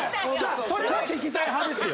それは聞きたい派ですよ。